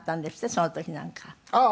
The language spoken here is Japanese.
その時なんか」